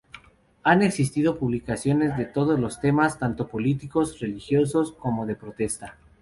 Han existido publicaciones de todos los temas, tanto políticos, religiosos, como de protesta.